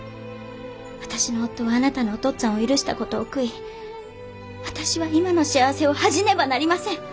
私の夫はあなたのお父っつぁんを許した事を悔い私は今の幸せを恥じねばなりません。